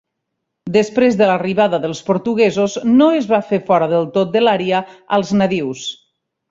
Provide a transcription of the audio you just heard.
Després de l'arribada dels portuguesos, no es va fer fora del tot de l'àrea als nadius.